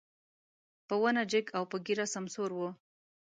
په ونه جګ او په ږيره سمسور و.